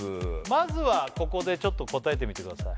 まずはここでちょっと答えてみてください